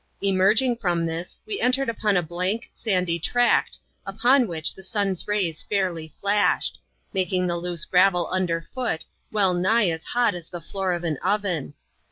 Emerging from this, we entered upon a blank, sandy tract, upon which the sun's rays fairly flashed; making the loose gravel under foot well nigh as hot as the floor of an oven.